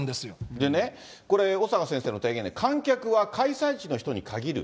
でね、これ小坂先生の提言で、観客は開催地の人に限る。